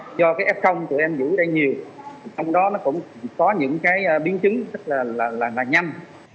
do cái f tụi em giữ đây nhiều trong đó nó cũng có những cái biến chứng rất là là nhanh